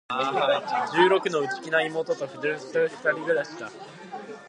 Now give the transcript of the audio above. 十六の、内気な妹と二人暮しだ。